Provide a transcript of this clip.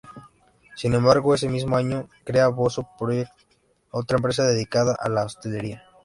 Sin embargo, ese mismo año crea Bozo Project, otra empresa dedicada a la hostelería.